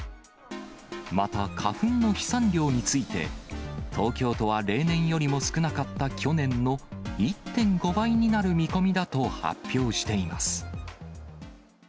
また花粉の飛散量について、東京都は例年よりも少なかった去年の１．５倍になる見込みだと発表しています。